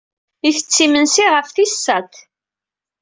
Ittett imensi ɣef tis sat.